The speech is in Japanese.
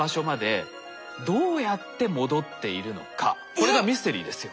これがミステリーですよ。